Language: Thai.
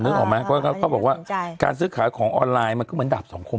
ออกไหมเขาบอกว่าการซื้อขายของออนไลน์มันก็เหมือนดาบสองคน